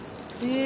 え！